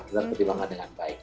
kita pertimbangkan dengan baik